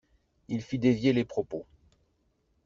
Il fit dévier les propos.